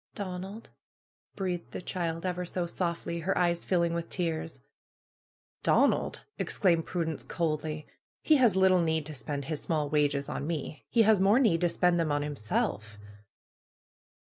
'^Donald!" breathed the child, ever so softly, her eyes filling with tears. Donald !" exclaimed Prudence, coldly. ^^He has lit tle need to spend his small wages on me. He has more need to spend them on himself.'